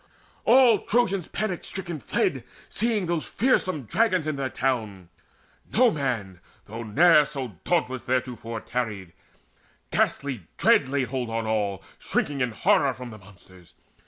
All Trojans panic stricken fled, Seeing those fearsome dragons in their town. No man, though ne'er so dauntless theretofore, Dared tarry; ghastly dread laid hold on all Shrinking in horror from the monsters.